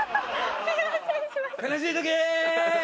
悲しい時ー！